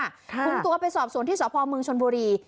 คุมตัวไปสอบสวนที่สพเมืองชนบุรี